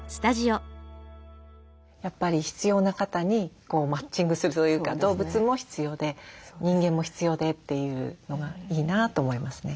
やっぱり必要な方にマッチングするというか動物も必要で人間も必要でというのがいいなと思いますね。